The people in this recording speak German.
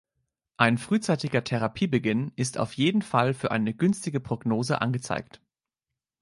Ein frühzeitiger Therapiebeginn ist auf jeden Fall für eine günstige Prognose angezeigt.